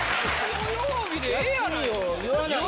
土曜日でええやんけ。